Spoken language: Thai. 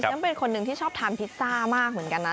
ฉันเป็นคนหนึ่งที่ชอบทานพิซซ่ามากเหมือนกันนะ